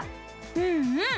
うんうん！